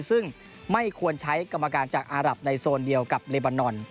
ซึ่งไม่ควรใช้กรรมการจากอารับในโซนเดียวกับเลบานอน